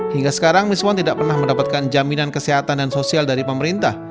hingga sekarang miswan tidak pernah mendapatkan jaminan kesehatan dan sosial dari pemerintah